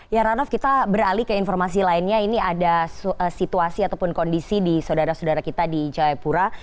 ya ranov kita beralih ke informasi lainnya ini ada situasi ataupun kondisi di saudara saudara kita di jayapura